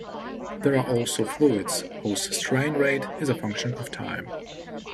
There are also fluids whose strain rate is a function of time.